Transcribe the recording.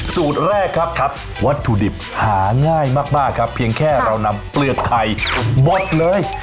สูตรแรกครับวัตถุดิบหาง่ายมากครับเพียงแค่เรานำเปลือกไข่หมดเลย